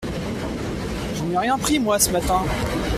Je n’ai rien pris, moi, ce matin !